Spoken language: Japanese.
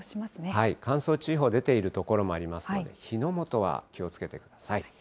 乾燥注意報が出ている所もありますので、火の元は気をつけてください。